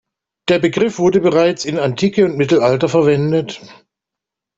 Der Begriff wurde bereits in Antike und Mittelalter verwendet.